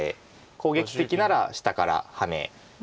攻撃的なら下からハネ。